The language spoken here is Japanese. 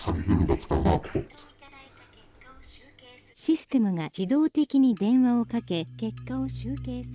システムが自動的に電話をかけ結果を集計。